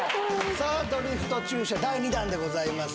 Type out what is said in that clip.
さあドリフト駐車第２弾でございます